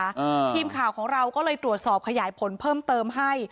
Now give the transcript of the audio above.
ทีมข่าวของเราก็เลยตรวจสอบขยายผลเพิ่มเติมให้